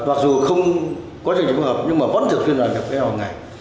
mặc dù không quá trình phối hợp nhưng mà vẫn thường xuyên vào việc phối hợp ngày